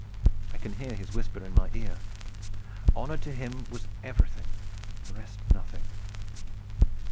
I can hear his whisper in my ear. Honor to him was everything the rest nothing.